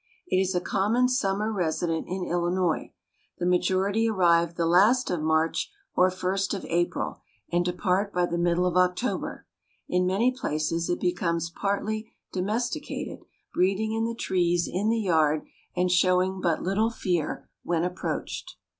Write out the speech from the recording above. It is a common summer resident in Illinois. The majority arrive the last of March or first of April, and depart by the middle of October. In many places it becomes partly domesticated, breeding in the trees in the yard and showing but little fear when approached.